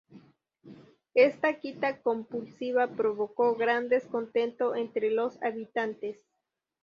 Esta quita compulsiva provocó gran descontento entre los habitantes.